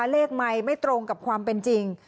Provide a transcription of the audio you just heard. เลขไมค์ไม่ตรงกับความเป็นจริง